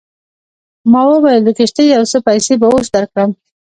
ما وویل د کښتۍ یو څه پیسې به اوس درکړم.